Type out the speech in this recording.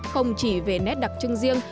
không chỉ về nét đặc trưng riêng